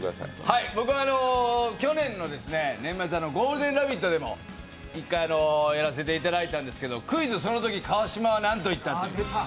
僕は去年の年末、「ゴールデンラヴィット！」でも１回、やらせてもらったんですが、「クイズ！そのとき川島はなんと言った？」